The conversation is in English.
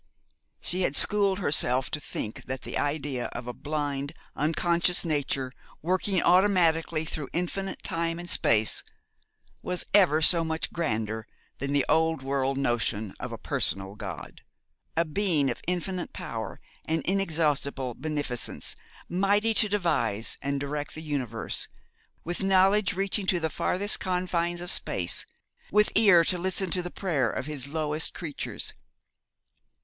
She had schooled herself to think that the idea of a blind, unconscious Nature, working automatically through infinite time and space, was ever so much grander than the old world notion of a personal God, a Being of infinite power and inexhaustible beneficence, mighty to devise and direct the universe, with knowledge reaching to the farthest confines of space, with ear to listen to the prayer of His lowest creatures.